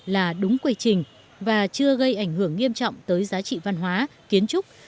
là đúng quy trình và chưa gây ảnh hưởng nghiêm trọng tới giá trị văn hóa kiến trúc